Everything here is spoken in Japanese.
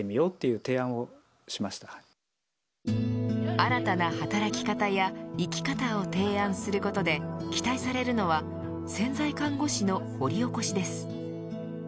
新たな働き方や生き方を提案することで期待されるのは潜在看護師の掘り起こしです。